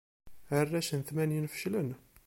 Arrac n tmanyin feclen.